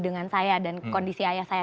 dengan saya dan kondisi ayah saya